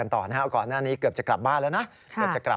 อันต่อครั้งนี้เกือบจะกลับบ้านแล้วนะ